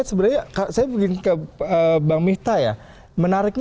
itu perkumpulan golf